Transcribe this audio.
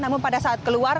namun pada saat keluar